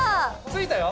ついたよ。